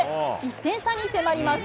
１点差に迫ります。